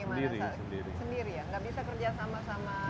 sendiri ya nggak bisa kerja sama sama